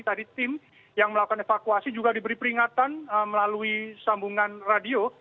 tadi tim yang melakukan evakuasi juga diberi peringatan melalui sambungan radio